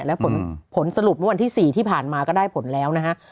และผลสรุปเมื่อวันที่๔ที่ผ่านมาก็ได้ผลแล้วนะฮะ